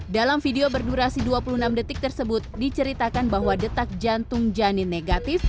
dalam video berdurasi dua puluh enam detik tersebut diceritakan bahwa detak jantung janin negatif